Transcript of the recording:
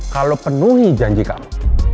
kalau penuhi janji kamu